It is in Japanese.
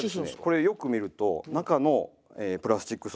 これよく見ると中のプラスチック素材がですね。